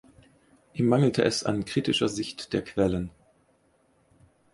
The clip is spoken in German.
Ihm mangelte es an kritischer Sicht der Quellen.